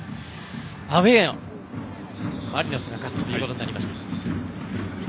アウェーのマリノスが勝つということになりました。